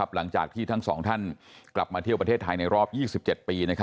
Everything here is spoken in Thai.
หลังจากที่ทั้งสองท่านกลับมาเที่ยวประเทศไทยในรอบ๒๗ปี